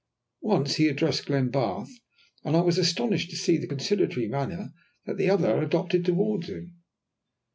Once he addressed Glenbarth, and I was astonished to see the conciliatory manner that the other adopted towards him.